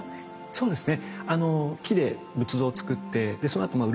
そうですね。